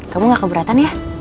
kamu nggak keberatan ya